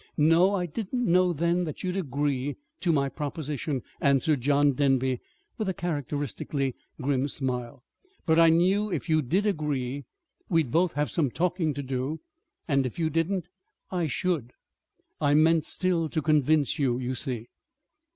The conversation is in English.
"No, I didn't know then that you'd agree to my proposition," answered John Denby, with a characteristically grim smile. "But I knew, if you did agree, we'd both have some talking to do. And if you didn't I should. I meant still to convince you, you see."